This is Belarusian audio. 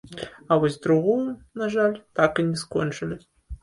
А вось другую, на жаль, так і не скончылі.